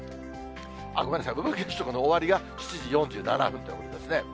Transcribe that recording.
ごめんなさい、部分月食の終わりが７時４７分ということですね。